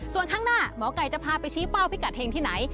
ส่วนข้างหน้าหมอไก่จะพาไปชี้เป้าพิกัดเฮงที่ไหน